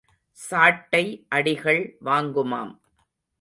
சாட்டை அடிகள் வாங்குமாம்.